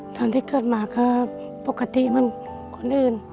ตอนที่เกิดมาก็ปกติเหมือนคนอื่น